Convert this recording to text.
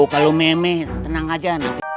tuh kalau meme tenang aja